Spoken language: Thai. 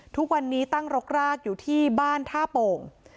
ทุกวันนี้ตั้งรกรากอยู่ที่บ้านท่าโป่ง